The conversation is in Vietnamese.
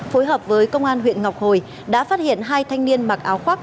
phối hợp với công an huyện ngọc hồi đã phát hiện hai thanh niên mặc áo khoác